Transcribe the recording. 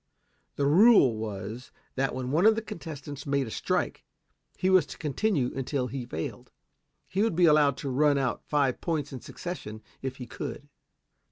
The rule was that when one of the contestants made a strike, he was to continue until he failed. He would be allowed to run out five points in succession if he could.